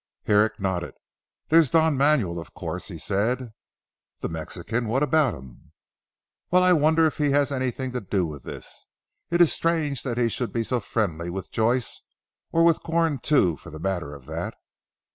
Herrick nodded. "There is Don Manuel of course," he said. "The Mexican! What about him?" "Well, I wonder if he has anything to do with this. It is strange that he should be so friendly with Joyce, or with Corn too for the matter of that.